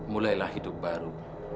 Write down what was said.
mulailah hidup baru